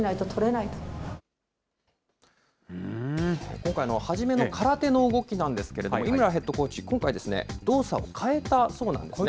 今回、初めの空手の動きなんですけれども、井村ヘッドコーチ、今回ですね、動作を変えたそうなんですね。